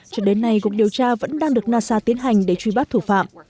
cho đến nay cuộc điều tra vẫn đang được nasa tiến hành để truy bắt thủ phạm